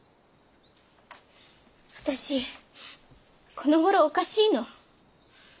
私このごろおかしいの。